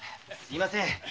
すみません。